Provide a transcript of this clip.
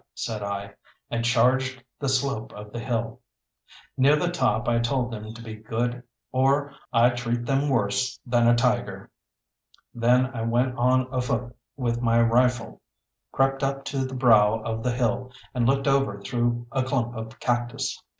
said I; and charged the slope of the hill. Near the top I told them to be good or I'd treat them worse than a tiger. Then I went on afoot with my rifle, crept up to the brow of the hill, and looked over through a clump of cactus.